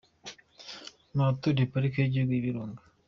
mu baturiye Pariki y’Igihugu yIbirunga.